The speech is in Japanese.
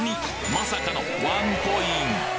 まさかのワンコイン！